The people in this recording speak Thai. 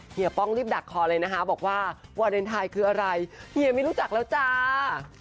เฮีป้องรีบดักคอเลยนะคะบอกว่าวาเลนไทยคืออะไรเฮียไม่รู้จักแล้วจ้า